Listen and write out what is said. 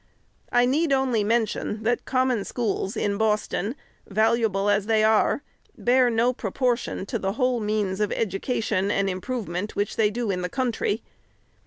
I need only mention, that Common Schools, in Boston, valuable as they are, bear no proportion to the whole means of education and improvement which they do in the coun try.